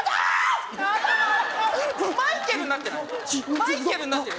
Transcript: マイケルになってない？